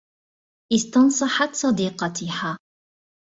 استنصحت صديقتها.